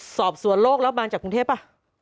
สอบสวนโลกแล้วมาจากกรุงเทพป่ะ